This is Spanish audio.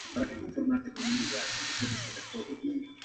Todas las canciones del disco tienen letra y música de Jaime Roos.